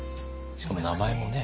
しかも名前もね。